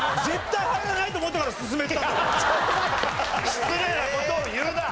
失礼な事を言うな！